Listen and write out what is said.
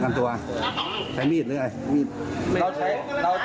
เขาต่อยเราโอ้เราก็กดกันตัว